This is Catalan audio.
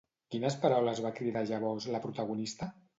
Quines paraules va cridar llavors la protagonista?